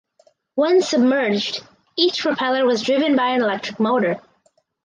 When submerged each propeller was driven by an electric motor.